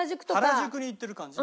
原宿に行ってる感じ？